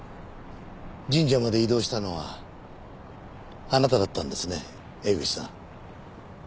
神社まで移動したのはあなただったんですね江口さん。